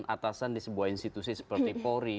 atasan di sebuah institusi seperti polri